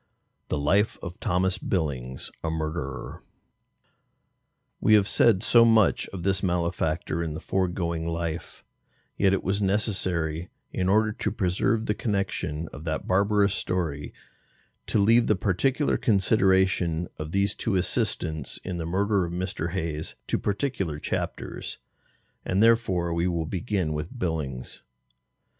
The Life of THOMAS BILLINGS, a Murderer. We have said so much of this malefactor in the foregoing life, yet it was necessary, in order to preserve the connection of that barbarous story, to leave the particular consideration of these two assistants in the murder of Mr. Hayes to particular chapters, and therefore we will begin with Billings.